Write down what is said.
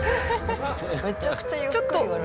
めちゃくちゃゆっくり割れる。